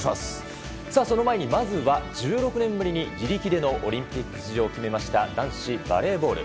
その前にまずは１６年ぶりに自力でのオリンピック出場を決めました男子バレーボール。